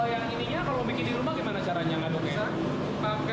kalau yang ininya kalau mau bikin di rumah gimana caranya mengaduknya